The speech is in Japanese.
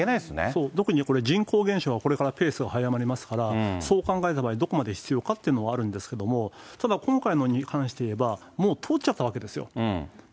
そう、特にこれ、人口減少はこれからペース早まりますから、そう考えた場合、どこまで必要かっていうのはあるんですけれども、ただ、今回に関して言えば、もう通っちゃったわけですよ。